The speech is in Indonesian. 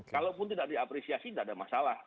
kalaupun tidak diapresiasi tidak ada masalah